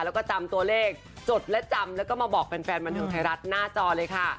แล้วก็จำตัวเลขจดและจำแล้วก็มาบอกแฟนบันเทิงไทยรัฐหน้าจอเลยค่ะ